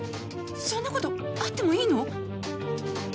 そんなことあってもいいの？